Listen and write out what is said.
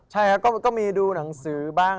ใช่ครับก็มีดูหนังสือบ้าง